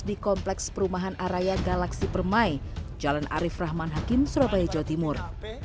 di kompleks perumahan area galaksi permai jalan arief rahman hakim surabaya jawa timur